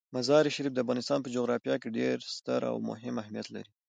مزارشریف د افغانستان په جغرافیه کې ډیر ستر او مهم اهمیت لري.